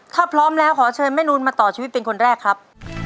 ถ้าพร้อมแล้วขอเชิญแม่นูนมาต่อชีวิตเป็นคนแรกครับ